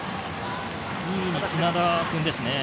２位に砂田君ですね。